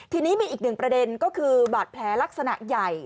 ทีนี้มีอีกหนึ่งประเด็นก็คือบาดแผลลักษณะใหญ่